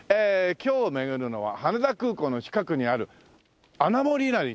今日巡るのは羽田空港の近くにある穴守稲荷